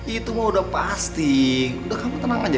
itu mah udah pasti udah kamu tenangin aku ya